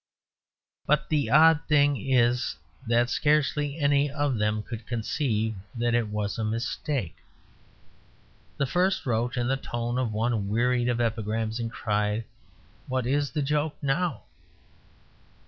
But the odd thing is that scarcely any of them could conceive that it was a mistake. The first wrote in the tone of one wearied of epigrams, and cried, "What is the joke NOW?"